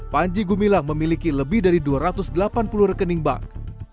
panji gumilang memiliki lebih dari dua ratus delapan puluh rekening bank